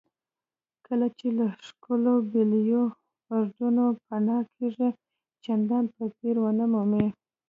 کله چې له ښکلو بولیوارډونو پناه کېږئ چندان توپیر ونه مومئ.